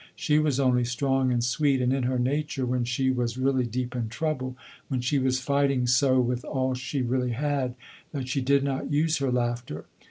She was only strong and sweet and in her nature when she was really deep in trouble, when she was fighting so with all she really had, that she did not use her laughter.